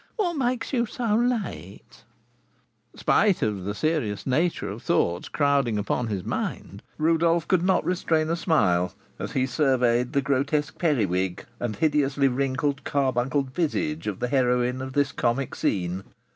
what makes you so late?'" Spite of the serious nature of the thoughts crowding upon his mind, Rodolph could not restrain a smile as he surveyed the grotesque periwig and hideously wrinkled, carbuncled visage of the heroine of this comic scene.